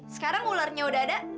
sekarang ularnya udah ada